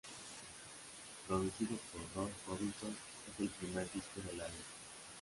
Producido por Ross Robinson, es el primer disco del álbum.